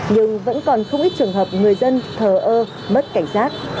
nhưng vẫn còn không ít trường hợp người dân thờ ơ mất cảnh sát